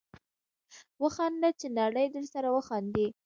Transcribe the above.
وخانده چې نړۍ درسره وخاندي